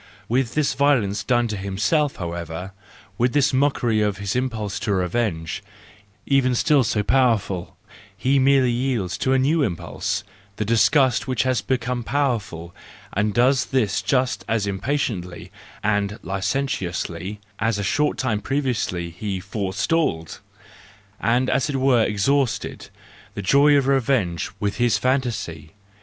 With this violence done to himself, however, with this mockery of his impulse to revenge, even still so powerful, he merely yields to the new impulse, the disgust which has become powerful, and does this just as impatiently and licentiously, as a short time previously he forestalled y and as it were exhausted, the joy of revenge with his fantasy.